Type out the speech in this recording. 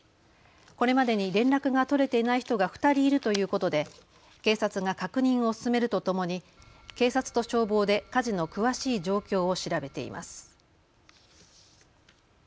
これまでに連絡が取れていない人が２人いるということで警察が確認を進めるとともに警察と消防で火事の詳しい状況を調べています。